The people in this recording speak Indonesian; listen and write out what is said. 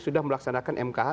sudah melaksanakan mkh